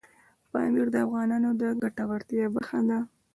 پامیر د افغانانو د ګټورتیا برخه ده.